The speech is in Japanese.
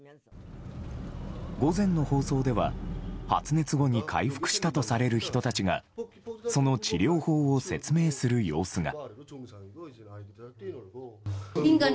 午前の放送では、発熱後に回復したとされる人たちがその治療法を説明する様子が。